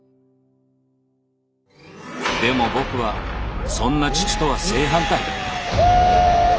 でも僕はそんな父とは正反対だった。